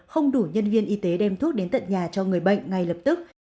không đủ nhân viên y tế đem thuốc đến tận nhà cho người bệnh ngay lập tức